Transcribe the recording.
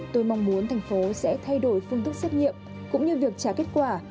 tôi mong muốn thành phố sẽ thay đổi phương thức xét nghiệm cũng như việc trả kết quả